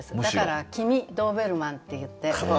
だから「君ドーベルマン」っていって。